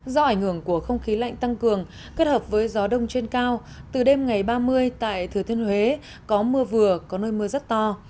do ảnh hưởng của không khí lạnh tăng cường kết hợp với gió đông trên cao từ đêm ngày ba mươi tại thừa thiên huế có mưa vừa có nơi mưa rất to